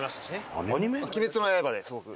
『鬼滅の刃』ですごく。